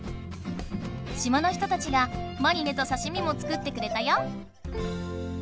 島の人たちがマリネとさしみも作ってくれたよ！